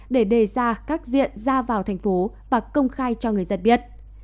để đề ra các diện ra vào thành phố và công khai cho người dân biết